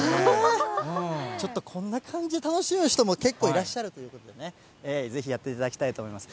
ちょっとこんな感じで楽しむ人も、結構いらっしゃるということでね、ぜひやっていただきたいと思います。